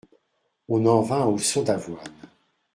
On en vint au son d'avoine.